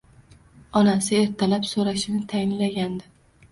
Onasi ertalab so`rashini tayinlagandi